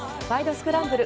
スクランブル」